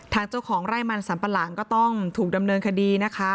เจ้าของไร่มันสัมปะหลังก็ต้องถูกดำเนินคดีนะคะ